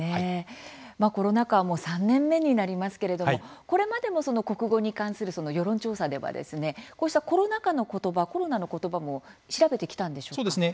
コロナ禍は３年目になりますけれどもこれまでも国語に関する世論調査ではですねこうしたコロナ禍の言葉コロナの言葉も調べてきたんでしょうか。